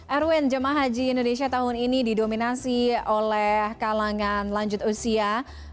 erwin jemaah haji indonesia tahun ini didominasi oleh kalangan lanjut usia